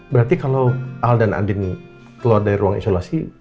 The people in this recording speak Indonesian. berarti kalau al dan andin keluar dari ruang isolasi